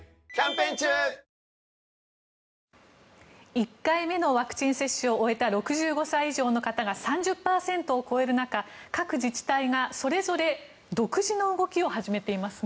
１回目のワクチン接種を終えた６５歳以上の方が３０％を超える中各自治体がそれぞれ独自の動きを始めていますね。